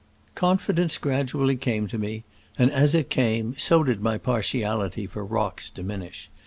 Confidence gradu ally came to me, and as it came so did my partiality for rocks diminish.